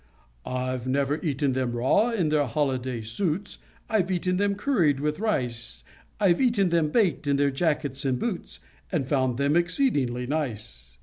_ _I've eaten them raw, in their holiday suits; I've eaten them curried with rice; I've eaten them baked, in their jackets and boots, And found them exceedingly nice.